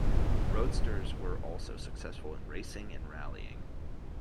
Roadsters were also successful in racing and rallying.